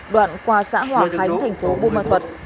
đoạn qua xã hòa khánh tp bô ma thuật